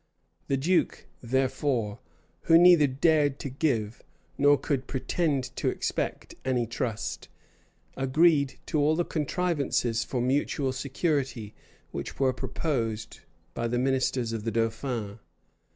The duke, therefore, who neither dared to give, nor could pretend to expect, any trust, agreed to all the contrivances for mutual security which were proposed by the ministers of the dauphin.